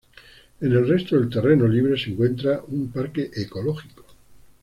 En el resto del terreno libre, se encuentra un parque ecológico.